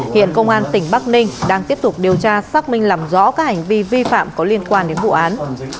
hiện công an tỉnh bắc ninh đang tiếp tục điều tra xác minh làm rõ các hành vi vi phạm có liên quan đến vụ án